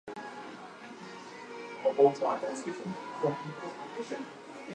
These words are carefully chosen to evoke specific emotions and sensations in the reader.